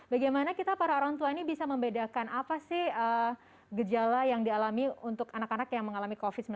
bagaimana kita para orang tua ini bisa membedakan apa sih gejala yang dialami untuk anak anak yang mengalami covid sembilan belas